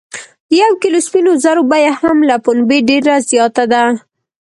د یو کیلو سپینو زرو بیه هم له پنبې ډیره زیاته ده.